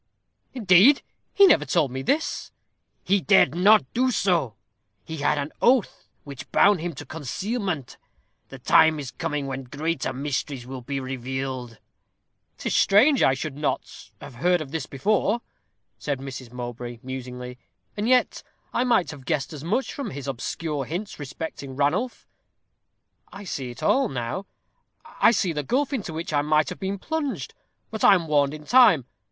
"Indeed! He never told me this." "He dared not do so; he had an oath which bound him to concealment. The time is coming when greater mysteries will be revealed." "'Tis strange I should not have heard of this before," said Mrs. Mowbray, musingly; "and yet I might have guessed as much from his obscure hints respecting Ranulph. I see it all now. I see the gulf into which I might have been plunged; but I am warned in time.